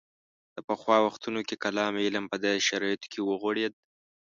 د پخوا وختونو کې کلام علم په داسې شرایطو کې وغوړېد.